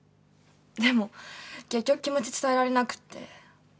でも結局気持ち伝えられなくて。